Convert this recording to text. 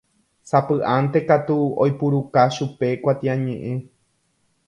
Sapy'ánte katu oipuruka chupe kuatiañe'ẽ.